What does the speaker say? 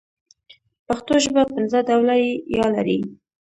پښتو ژبه پنځه ډوله ي لري.